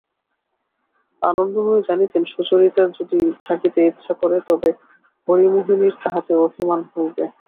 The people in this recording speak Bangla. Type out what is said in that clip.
আনন্দময়ী জানিতেন সুচরিতা যদি থাকিতে ইচ্ছা করে তবে হরিমোহিনীর তাহাতে অভিমান হইবে।